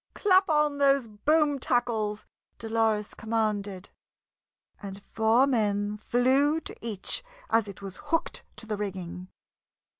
"Clap on those boom tackles!" Dolores commanded, and four men flew to each as it was hooked to the rigging.